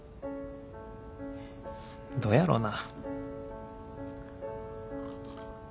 どやろな。